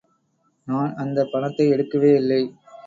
நான் அந்த பணத்தை எடுக்கவே இல்லை.